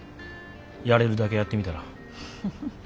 やれるだけやってみたら。